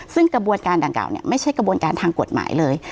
ซึ่งกระบวนการดังกล่าวไม่ใช่กระบวนการทางกฎหมายเลย